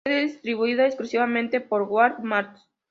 Fue distribuida exclusivamente por Wal-Mart.